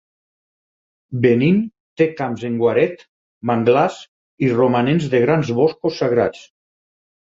Benín té camps en guaret, manglars i romanents de grans boscos sagrats.